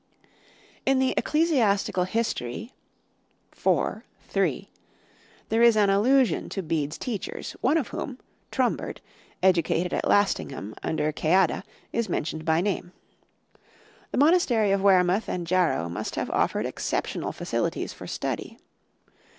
In the "Ecclesiastical History" (IV, 3) there is an allusion to Bede's teachers, one of whom, Trumbert, educated at Lastingham under Ceadda, is mentioned by name. The monastery of Wearmouth and Jarrow must have offered exceptional facilities for study.